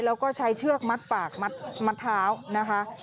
แล้วก็ใช้เชือกมัดปากมัดเท้านะคะ